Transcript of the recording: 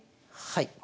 はい。